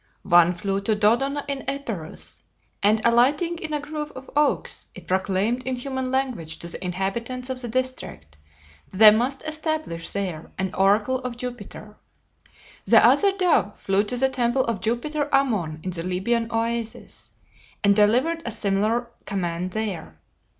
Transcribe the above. One flew to Dodona in Epirus, and alighting in a grove of oaks, it proclaimed in human language to the inhabitants of the district that they must establish there an oracle of Jupiter. The other dove flew to the temple of Jupiter Ammon in the Libyan Oasis, and delivered a similar command there.